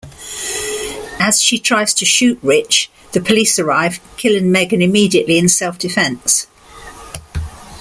As she tries to shoot Rich, the police arrive, killing Megan immediately in self-defense.